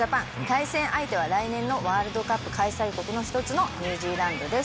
対戦相手は来年のワールドカップ開催国の１つのニュージーランドです。